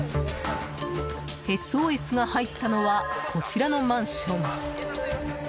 ＳＯＳが入ったのはこちらのマンション。